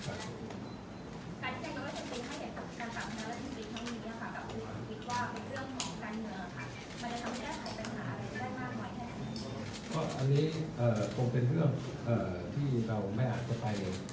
อันนี้คงเป็นเรื่องที่เราไม่อาจจะไป